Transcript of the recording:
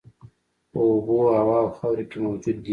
په اوبو، هوا او خاورو کې موجود دي.